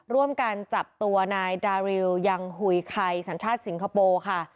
ร่วมกันจับตัวนายดาริวยังหุยไข่สัญชาติสิงคโปร์ค่ะ